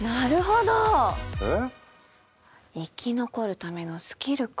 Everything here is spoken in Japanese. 生き残るためのスキルか。